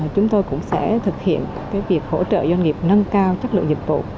chúng tôi cũng sẽ thực hiện việc hỗ trợ doanh nghiệp nâng cao chất lượng dịch vụ